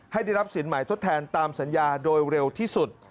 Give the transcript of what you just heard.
ให้ได้รับสินใหม่ทดแทนตามสัญญาโดยเร็วที่สุด